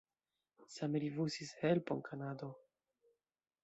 Same rifuzis helpon Kanado.